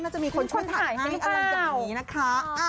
น่าจะมีคนช่วยถ่ายให้อะไรแบบนี้นะคะ